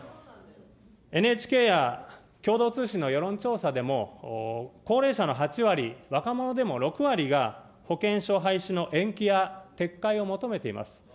ＮＨＫや共同通信の世論調査でも、高齢者の８割、若者でも６割が、保険証廃止の延期や撤回を求めています。